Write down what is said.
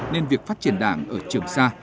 nên việc phát triển đảng ở trường xa